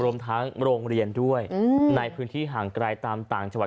รวมทั้งโรงเรียนด้วยในพื้นที่ห่างไกลตามต่างจังหวัด